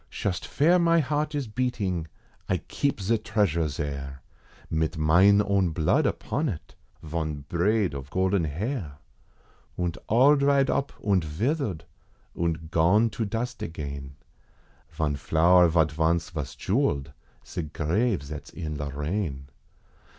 Shust vere mine heart is beating, I keep ze treasure zare, Mit mine own blood upon it, von braid of golden hair, Und all dried up und vithered, und gone to dust again, Von flower zat vonce vos jewelled ze grave zats in Lorraine.